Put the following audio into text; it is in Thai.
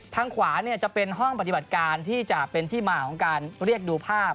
ทางขวาจะเป็นห้องปฏิบัติการที่จะเป็นที่มาของการเรียกดูภาพ